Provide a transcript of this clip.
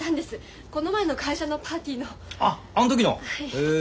へえ。